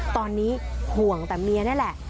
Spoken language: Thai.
ตอนนี้ห่วงแต่เมียนี่แหละ